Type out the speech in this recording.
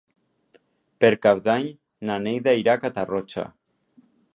Per Cap d'Any na Neida irà a Catarroja.